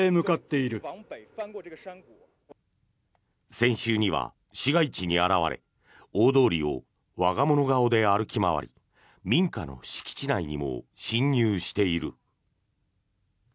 先週には、市街地に現れ大通りを我が物顔で歩き回り民家の敷地内にも侵入している。